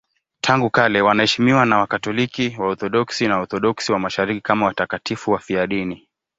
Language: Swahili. Tangu kale wanaheshimiwa na Wakatoliki, Waorthodoksi na Waorthodoksi wa Mashariki kama watakatifu wafiadini.